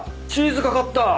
チーズ掛かった！